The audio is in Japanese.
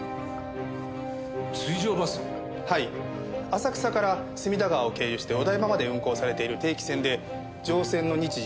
浅草から隅田川を経由してお台場まで運行されている定期船で乗船の日時は４日前。